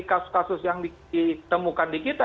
kasus kasus yang ditemukan di kita